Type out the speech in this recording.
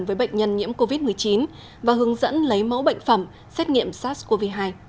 với bệnh nhân nhiễm covid một mươi chín và hướng dẫn lấy mẫu bệnh phẩm xét nghiệm sars cov hai